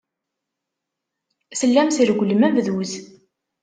Tellam tregglem abduz.